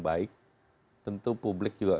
baik tentu publik juga